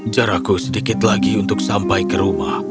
jarakku sedikit lagi untuk sampai ke rumah